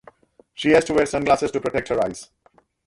She has to wear sunglasses to protect her eyes.